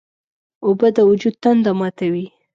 اوبه د وجود تنده ماتوي.